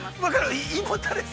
◆胃もたれが。